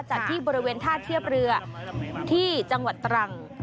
ที่บริเวณท่าเทียบเรือที่จังหวัดตรัง